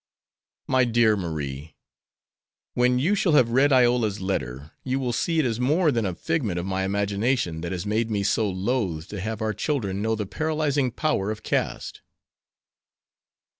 "My dear Marie, when you shall have read Iola's letter you will see it is more than a figment of my imagination that has made me so loth to have our children know the paralyzing power of caste."